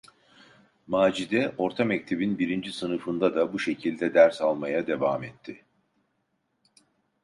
Macide orta mektebin birinci sınıfında da bu şekilde ders almaya devam etti.